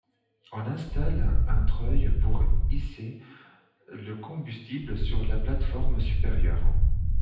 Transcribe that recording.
On installe un treuil pour hisser le combustible sur la plateforme supérieure.